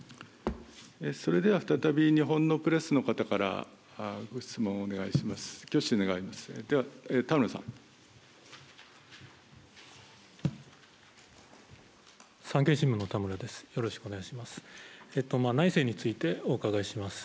それでは、再び日本のプレスの方からご質問お願いします。